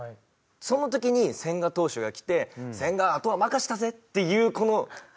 その時に千賀投手が来て「千賀あとは任せたぜ」っていうこの空気。